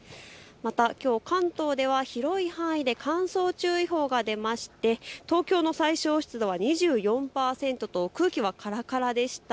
また関東では広い範囲で乾燥注意報が出まして東京の最小湿度は２４％と空気がからからでした。